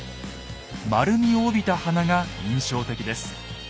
丸みを帯びた鼻が印象的です。